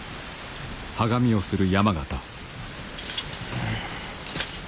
うん。